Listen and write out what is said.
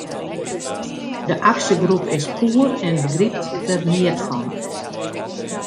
De aksjegroep is poer en begrypt der neat fan.